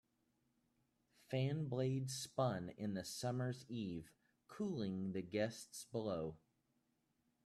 Fan blades spun in the summer's eve, cooling the guests below.